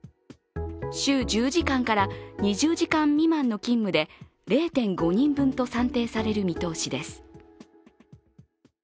週１０時間から２０時間未満の勤務で０．５人分と算定される見通しです。